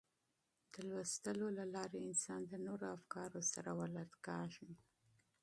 د مطالعې له لارې انسان د نوو افکارو سره آشنا کیږي.